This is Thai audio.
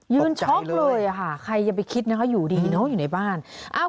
ช็อกเลยค่ะใครจะไปคิดนะคะอยู่ดีเนอะอยู่ในบ้าน